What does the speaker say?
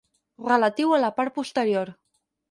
Relatiu a la part posterior.